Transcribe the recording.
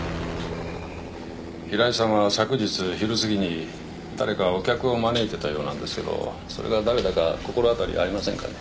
平井さんは昨日昼すぎに誰かお客を招いてたようなんですけどそれが誰だか心当たりありませんかね？